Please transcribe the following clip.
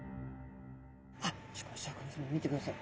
あシャーク香音さま見てください。